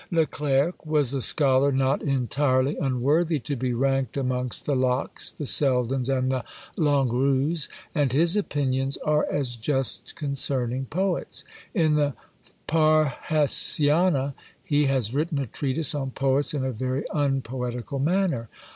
Le Clerc was a scholar not entirely unworthy to be ranked amongst the Lockes, the Seldens, and the Longuerues; and his opinions are as just concerning poets. In the Parhasiana he has written a treatise on poets in a very unpoetical manner.